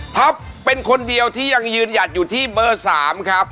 เป็นคนเดียวที่ยังยืนหยัดอยู่ที่เบอร์๓ครับ